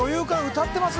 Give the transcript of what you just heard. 歌ってます